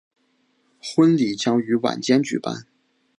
婚礼将于晚间举办。